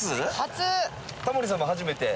タモリさんも初めて？